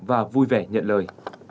và vui vẻ nhận lời